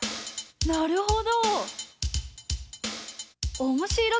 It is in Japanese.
なるほど！